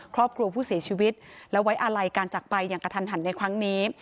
ครอบครัวผู้เสียชีวิตและไว้อาลัยการจักรไปอย่างกระทันหันในครั้งนี้